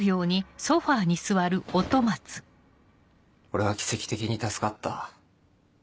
俺は奇跡的に助かった。